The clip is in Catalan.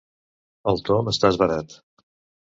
El Tom està esverat.